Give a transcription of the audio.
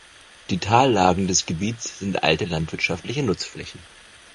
Die Tallagen des Gebiets sind alte landwirtschaftliche Nutzflächen.